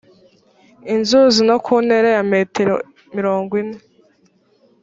inzuzi no ku ntera ya metero mirongo ine